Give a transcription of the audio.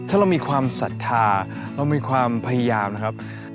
ถ้าเรามีความศรัทธาเรามีความพยายามนะครับ